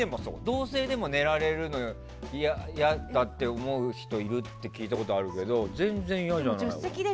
同性でも寝られるのは嫌だって思う人いるって聞いたことあるけど全然嫌じゃない。